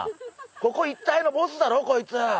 ここ一帯のボスだろこいつ！」